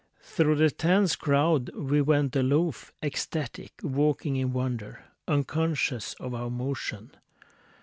Thru the tense crowd We went aloof, ecstatic, walking in wonder, Unconscious of our motion.